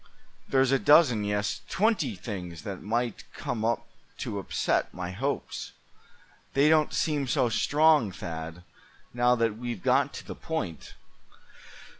There's a dozen, yes, twenty things that might come up to upset my hopes. They don't seem so strong, Thad, now that we've got to the point."